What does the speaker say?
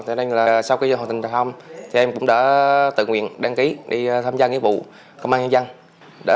cho nên là sau khi hoàn thành thăm thì em cũng đã tự nguyện đăng ký đi thăm gia nghĩa vụ công an nhân dân